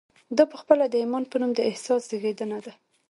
دا پخپله د ايمان په نوم د احساس زېږنده ده.